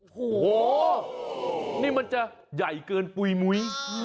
โอ้โหนี่มันจะใหญ่เกินปุ๋ยมุ้ย